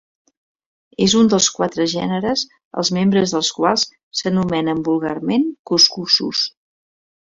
És un dels quatre gèneres els membres dels quals s'anomenen vulgarment cuscussos.